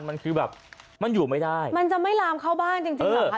มันคือแบบมันอยู่ไม่ได้มันจะไม่ลามเข้าบ้านจริงจริงเหรอคะ